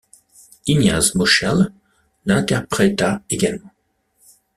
Ignaz Moscheles l'interpréta également.